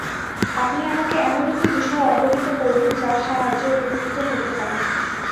আপনি আমাকে এমন একটি বিষয় অবহিত করুন, যার সাহায্যে উপকৃত হতে পারি।